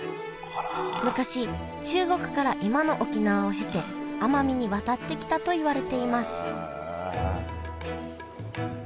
昔中国から今の沖縄を経て奄美に渡ってきたといわれていますへえ。